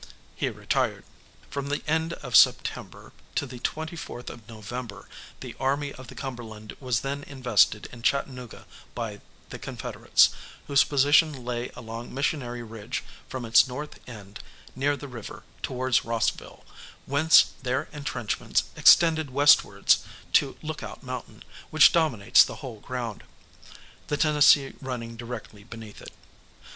he retired. From the end of September to the 24th of November the Army of the Cumberland was then invested in Chattanooga by the Confederates, whose position lay along Missionary Ridge from its north end near the river towards Rossville, whence their entrenchments extended westwards to Lookout Mountain, which dominates the whole ground, the Tennessee running directly beneath it.